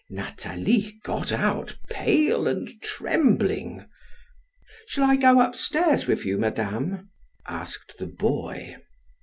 Nathalie got out, pale and trembling. "Shall I go up stairs with you, madame?" asked the boy.